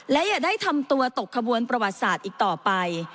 และอย่าได้ทำตัวตกขบวนประวัติศาสตร์อีกต่อไป